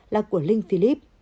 là của linh philip